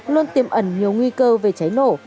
luôn tiêm ẩn nhiều nguy cơ về cháy lổ